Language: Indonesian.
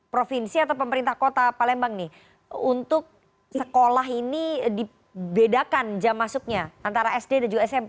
provinsi atau pemerintah kota palembang nih untuk sekolah ini dibedakan jam masuknya antara sd dan juga smp